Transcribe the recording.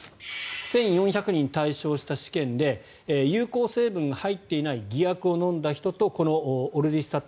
１４００人を対象にした試験で有効成分が入っていない偽薬を飲んだ人とこのオルリスタット